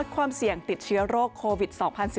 ความเสี่ยงติดเชื้อโรคโควิด๒๐๑๙